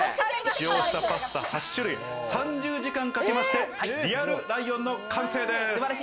使用したパスタ８種類、３０時間かけまして、リアルライオンの完成です。